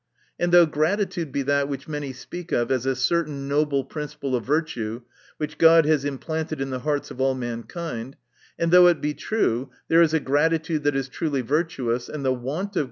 And thougb gratitudehe that which many speak of as a certain noble princi ple of virtue, which God lias implanted in the hearts of all mankind; and though it be* true, there is a gia'itude, that is truly virtuou' ;, and the want of THE NATURE OF VIRTUE.